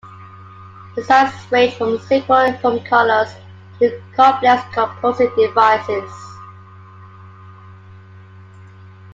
Designs range from simple foam collars to complex composite devices.